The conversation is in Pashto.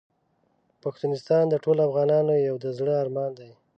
پښتونستان د ټولو افغانانو یو د زړه ارمان دی .